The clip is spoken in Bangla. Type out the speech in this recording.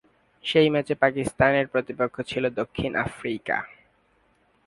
সেই ম্যাচে পাকিস্তানের প্রতিপক্ষ ছিলো দক্ষিণ আফ্রিকা।